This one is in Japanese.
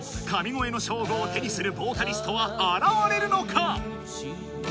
声の称号を手にするボーカリストは現れるのか？